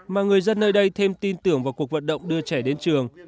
mà người dân nơi đây thêm tin tưởng vào cuộc vận động đưa trẻ đến trường